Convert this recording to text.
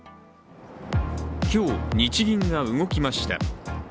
今日、日銀が動きました。